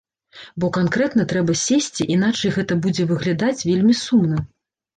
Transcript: Бо канкрэтна трэба сесці, іначай гэта будзе выглядаць вельмі сумна.